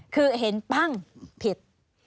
คือเห็นปั้งผิด